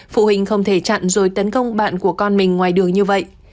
phụ huynh không thể chặn rồi tấn công bạn của con mình ngoài đường như vậy